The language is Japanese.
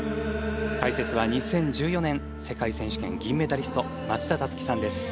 解説は２０１４年世界選手権銀メダリスト町田樹さんです。